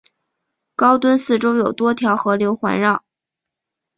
高墩四周有多条河流环绕。